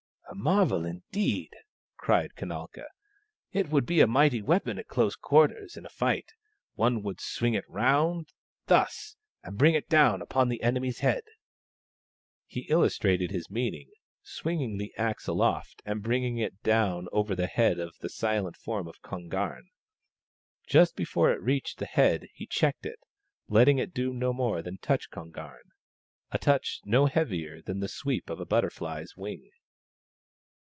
" A marvel, indeed !" cried Kanalka. " It would be a mighty weapon at close quarters in a fight. One would swing it round — thus — and bring it down upon the enemy's head " He illustrated his meaning, swinging the axe aloft and bringing it down over the head of the silent form of Kon garn. Just before it reached the head he checked it, letting it do no more than touch Kon garn — a touch no heavier than the sweep of a butterfly's wing.